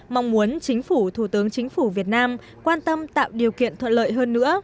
mong muốn chính phủ thủ tướng chính phủ việt nam quan tâm tạo điều kiện thuận lợi hơn nữa